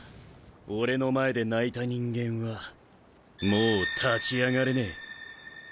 俺の前で泣いた人間はもう立ち上がれねえ。